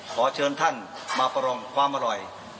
ขอเชิญท่านมาประลองความอร่อย